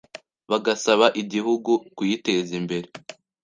bagasaba igihugu kuyiteza imbere